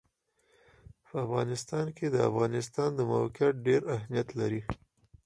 په افغانستان کې د افغانستان د موقعیت ډېر اهمیت لري.